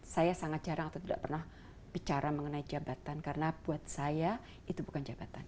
saya sangat jarang atau tidak pernah bicara mengenai jabatan karena buat saya itu bukan jabatan